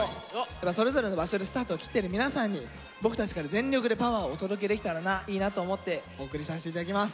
それぞれの場所でスタートを切ってる皆さんに僕たちから全力でパワーをお届けできたらいいなと思ってお送りさせて頂きます。